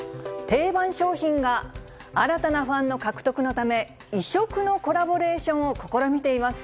定番商品が新たなファンの獲得のため、異色のコラボレーションを試みています。